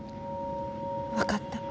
分かった。